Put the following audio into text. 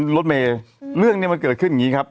รถเมย์เรื่องนี้มันเกิดขึ้นอย่างนี้ครับ